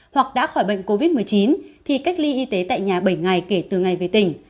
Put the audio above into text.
hoặc đã khỏi bệnh covid một mươi chín thì cách ly y tế tại nhà bảy ngày kể từ ngày về tỉnh